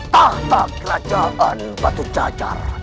tahta kerajaan batu jajar